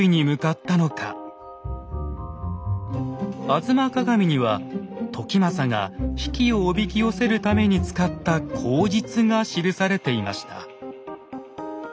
「吾妻鏡」には時政が比企をおびき寄せるために使った口実が記されていました。